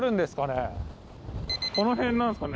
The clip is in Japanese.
この辺なんですかね？